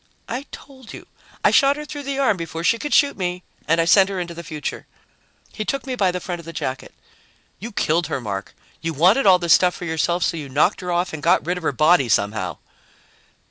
"I told you. I shot her through the arm before she could shoot me and I sent her into the future." He took me by the front of the jacket. "You killed her, Mark. You wanted all this stuff for yourself, so you knocked her off and got rid of her body somehow."